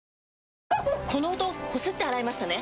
この音こすって洗いましたね？